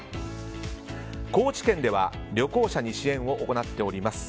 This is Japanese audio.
高知県では旅行者に支援を行っております。